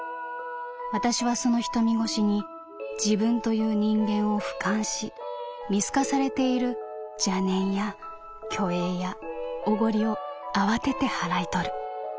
私はその瞳越しに自分という人間を俯瞰し見透かされている邪念や虚栄やおごりを慌てて払い取る」。